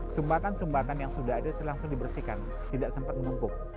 sumbatan sumbatan yang sudah ada langsung dibersihkan tidak sempat menumpuk